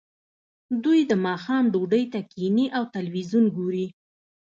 دوی د ماښام ډوډۍ ته کیښني او تلویزیون ګوري